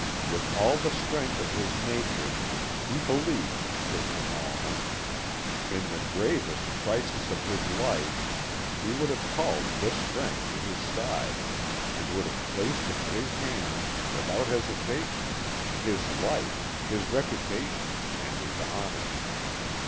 With all the strength of his nature he believed in Christian Almer. In the gravest crisis of his life he would have called this friend to his side, and would have placed in his hands, without hesitation, his life, his reputation, and his honour.